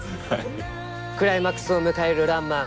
クライマックスを迎える「らんまん」。